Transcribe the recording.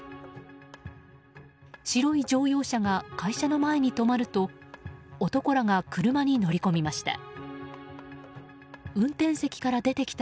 白い乗用車が会社の前に止まると男らが車に乗り込みました。